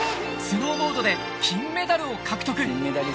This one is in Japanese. スノーボードで金メダルを獲得